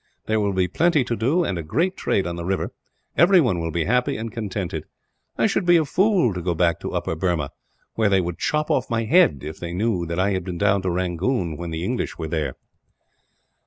There will be plenty to do, and a great trade on the river; everyone will be happy and contented. I should be a fool to go back to Upper Burma; where they would chop off my head, if they knew that I had been down to Rangoon when the English were there."